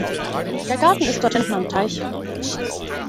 Der Garten ist dort hinten am Teich.